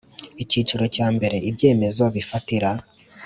Icyiciro cya mbere Ibyemezo bifatira